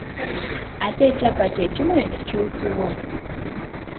Ate ekyapa kye kimu ne kikyusibwa.